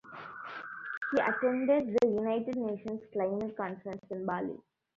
He attended the United Nations Climate Conference in Bali.